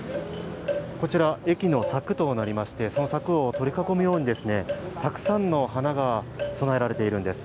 こちら、駅の柵となりまして、その柵を取り囲むように、たくさんの花が供えられているんです。